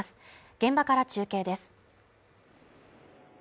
現場から中継です。